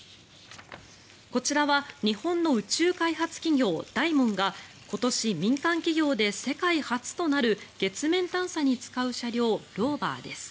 こちらは日本の宇宙開発企業ダイモンが今年、民間企業で世界初となる月面探査に使う車両ローバーです。